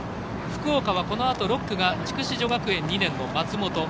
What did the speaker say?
福岡は、このあと６区が筑紫女学園の松本。